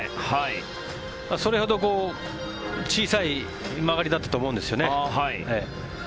それほど小さい曲がりだったと思うんですよね。